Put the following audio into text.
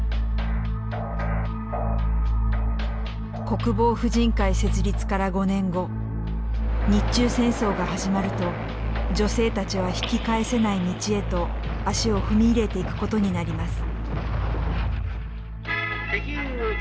国防婦人会設立から５年後日中戦争が始まると女性たちは引き返せない道へと足を踏み入れていくことになります。